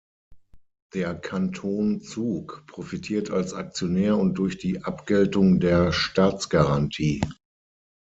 Der Kanton Zug profitiert als Aktionär und durch die Abgeltung der Staatsgarantie.